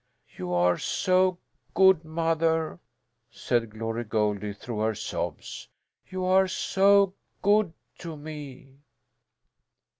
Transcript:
"You are so good, mother," said Glory Goldie through her sobs. "You are so good to me!"